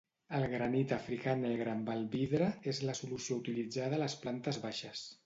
El granit africà negre amb el vidre és la solució utilitzada a les plantes baixes.